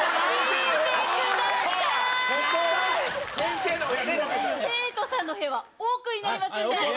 生徒さんのお部屋は奥になりますんで。